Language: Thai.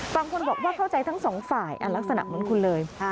บางคนบอกว่าเข้าใจทั้งสองฝ่ายลักษณะเหมือนคุณเลย